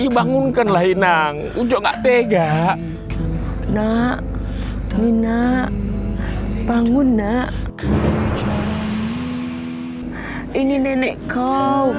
bangunkan lainang ujung gak tega nah nina bangun nak ini nenek kau